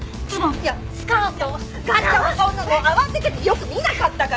いやそんなの慌てててよく見なかったから。